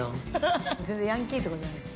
ハハハ全然ヤンキーとかじゃないっす。